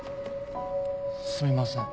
すみません